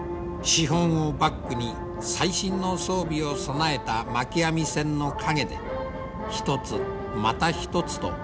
資本をバックに最新の装備を備えたまき網船の陰で一つまた一つと伝統の一本づり